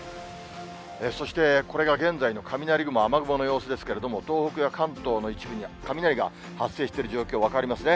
そしてこれが現在の雷雲、雨雲の様子ですけれども、東北や関東の一部に雷が発生している状況、分かりますね。